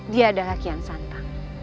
dia ada hak yang santang